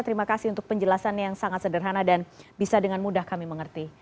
terima kasih untuk penjelasan yang sangat sederhana dan bisa dengan mudah kami mengerti